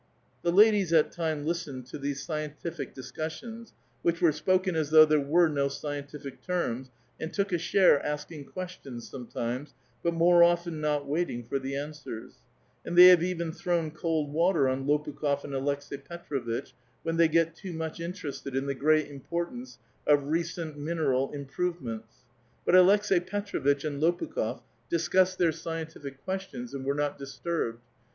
The ladies at times listened to these scientific discussions, which were spoken as though there were no scientific terms, and took a share asking ques tions sometimes, but more often not waiting for the answers ; and they have even thrown cold wnter on Lopukh6f and Aleks^i Petr6vitch, when they get too much interested in the great importance of recent mineral improvements: but Aleks^i Petr6vitch and Lopukh6f discussed their scientific A VITAL QUESTION, 122 questions, and were not disturbed.